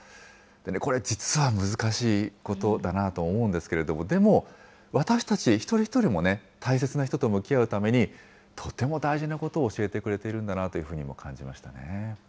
これ、実は難しいことだなと思うんですけれども、でも私たち一人一人もね、大切な人と向き合うために、とても大事なことを教えてくれているんだなというふうにも感じましたね。